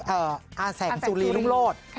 เอ่ออแสงสุรีลูกโลธ